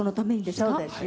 そうですよ。